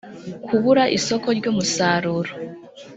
kubura isoko ry umusaruro